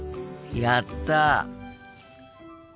やった！